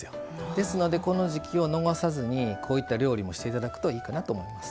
ですのでこの時季を逃さずにこういった料理もしていただくといいかなと思います。